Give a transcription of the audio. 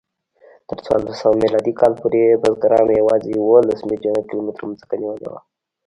تر څوارلس میلادي کال پورې بزګرانو یواځې یوولس میلیونه کیلومتره ځمکه نیولې وه.